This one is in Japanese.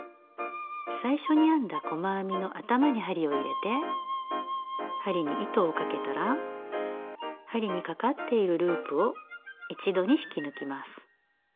最初に編んだ細編みの頭に針を入れて針に糸をかけたら針にかかっているループを一度に引き抜きます。